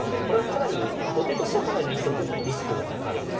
これはかなり後手としてはかなりリスクが高い。